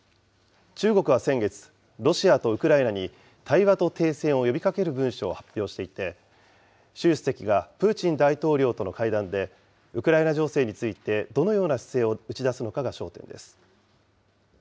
中国は先月、ロシアとウクライナに、対話と停戦を呼びかける文書を発表していて、習主席がプーチン大統領との会談で、ウクライナ情勢について、どのような姿勢を打ち出すのかが焦点です。